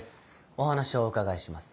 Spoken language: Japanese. お話をお伺いします。